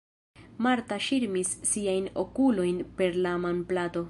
Marta ŝirmis siajn okulojn per la manplato.